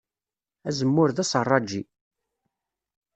Azemmur d aseṛṛaǧi.